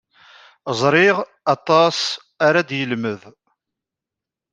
Ẓriɣ aṭas ara d-yelmed.